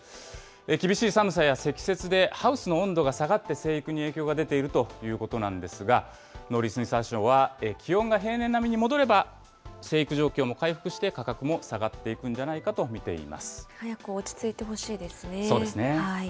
厳しい寒さや積雪で、ハウスの温度が下がって、生育に影響が出ているということなんですが、農林水産省は、気温が平年並みに戻れば、生育状況も回復して、価格も下がっていくんじゃないかと見て早く落ち着いてほしいですね。